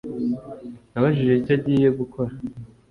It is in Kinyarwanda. Nabajije icyo agiye gukora